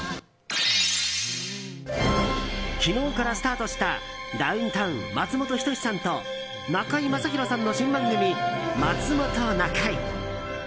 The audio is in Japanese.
昨日からスタートしたダウンタウン松本人志さんと中居正広さんの新番組「まつもｔｏなかい」。